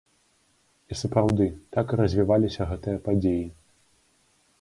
І сапраўды, так і развіваліся гэтыя падзеі.